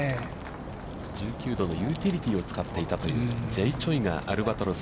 １９度のユーティリティーを使っていたというＪ・チョイがアルバトロス。